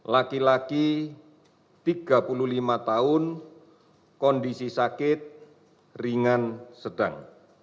empat puluh delapan laki laki tiga puluh lima tahun kondisi sakit ringan sedang